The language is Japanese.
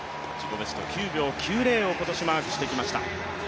ベスト９秒９０を今年マークしてきました。